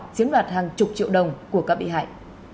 chiếm đoạt hàng chục triệu đồng của các bị hại